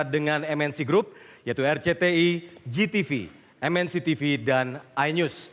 dengan mnc group yaitu rcti gtv mnctv dan inews